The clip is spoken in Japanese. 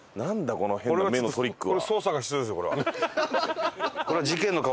この変な目のトリックは。